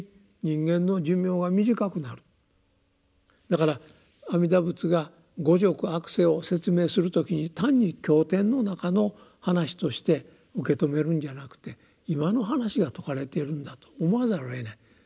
だから阿弥陀仏が五濁悪世を説明する時に単に経典の中の話として受け止めるんじゃなくて今の話が説かれているんだと思わざるをえない。